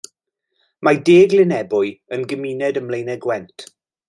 Mae De Glynebwy yn gymuned ym Mlaenau Gwent.